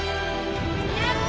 やった！